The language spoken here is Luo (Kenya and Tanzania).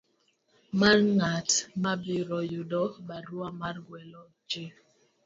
mar ng'at mabiro yudo barua mar gwelo ji.